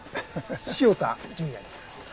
潮田純哉です。